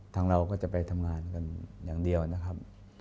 เราก็จะไปทำงานกันอย่างเดียวนะครับ